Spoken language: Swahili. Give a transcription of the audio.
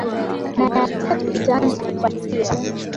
na ya tatu itaanza kupatia